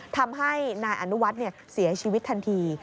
ทำให้นายอนุวัฒน์เสียชีวิตทันที